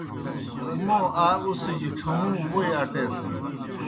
موں آ اُڅِھجیْ ڇھہُوں ووئی اٹیسِن۔